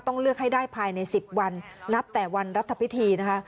เลือกให้ได้ภายใน๑๐วันนับแต่วันรัฐพิธีนะคะ